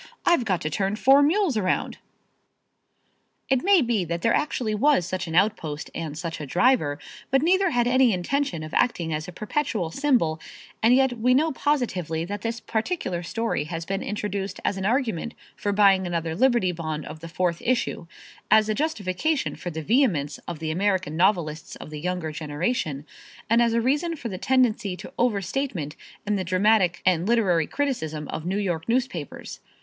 "I've got to turn four mules around." It may be that there actually was such an outpost and such a driver, but neither had any intention of acting as a perpetual symbol and yet we know positively that this particular story has been introduced as an argument for buying another Liberty Bond of the fourth issue; as a justification for the vehemence of the American novelists of the younger generation; and as a reason for the tendency to overstatement in the dramatic and literary criticism of New York newspapers.